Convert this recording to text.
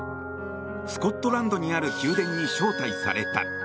スコットランドにある宮殿に招待された。